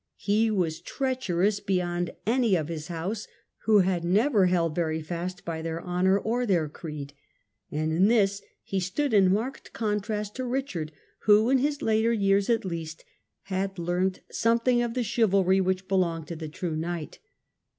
He was treacher ous beyond any of his house, who had never held very fast by their honour or their creed — ^and in this he stood in marked contrast to Richard, who, in his later years at least, had learnt something of the chivalry which belonged to the true knight.